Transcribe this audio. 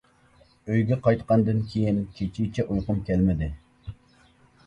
ئۆيگە قايتقاندىن كېيىن كېچىچە ئۇيقۇم كەلمىدى.